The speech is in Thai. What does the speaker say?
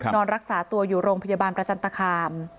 นอนรักษาตัวอยู่โรงพยาบาลประจันตคาม